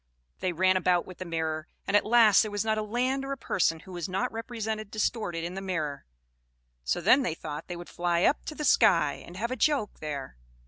They ran about with the mirror; and at last there was not a land or a person who was not represented distorted in the mirror. So then they thought they would fly up to the sky, and have a joke there.